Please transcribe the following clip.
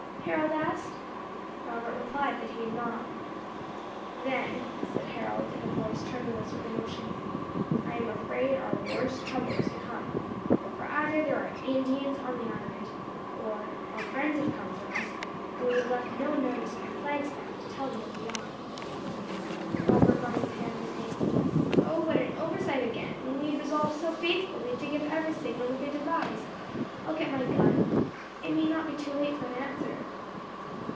Harold asked. Robert replied he had not. "Then," said Harold, in a voice tremulous with emotion, "I am afraid that our worst trouble is to come; for either there are Indians on the island, or our friends have come for us, and we have left no notice on our flag staff to tell them where we are." Robert wrung his hands in agony. "O, what an oversight again! when we had resolved so faithfully to give every signal we could devise. I'll get my gun! It may not be too late for an answer."